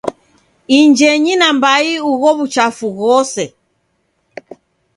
Injenyi na mbai ugho w'uchafu ghose.